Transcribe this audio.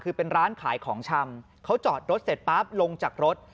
คือเป็นร้านขายของชำเขาจอดรถเสร็จปั๊บลงจากรถ